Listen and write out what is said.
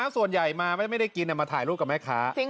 ส่วนใหญ่มาไม่ได้กินมาถ่ายรูปกับแม่ค้า